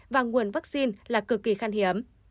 và nguồn vaccine là cực kỳ khăn hiếm